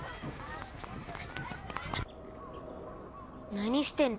何してんの？